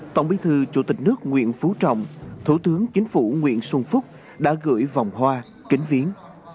tổng bí thư chủ tịch nước nguyễn phú trọng thủ tướng chính phủ nguyễn xuân phúc đã gửi vòng hoa kính viến